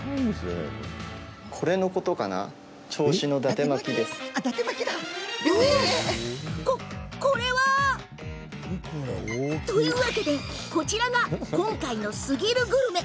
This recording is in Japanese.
こ、こ、これは。というわけでこちらが今回の、すぎるグルメ。